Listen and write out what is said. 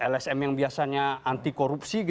lsm yang biasanya anti korupsi